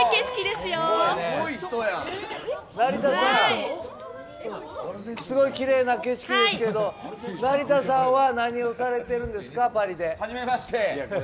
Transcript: すごいきれいな景色ですけど成田さんはパリで何をされてるんですか？